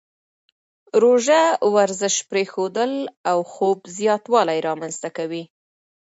روزه ورزش پرېښودل او خوب زیاتوالی رامنځته کوي.